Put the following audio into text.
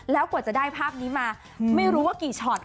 แล้วกว่าจะได้ภาพนี้มาไม่รู้ว่ากี่ช็อต